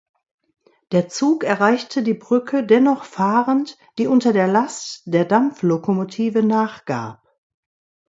Der Zug erreichte die Brücke dennoch fahrend, die unter der Last der Dampflokomotive nachgab.